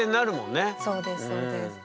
そうですそうです。